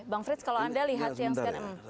bang frits kalau anda lihat yang sekian